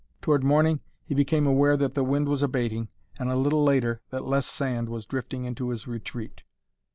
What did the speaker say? Toward morning he became aware that the wind was abating, and a little later that less sand was drifting into his retreat.